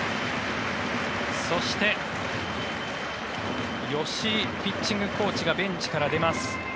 そして、吉井ピッチングコーチがベンチから出ます。